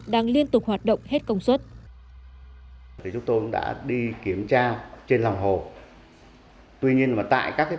đang liên tục hoạt động hết công suất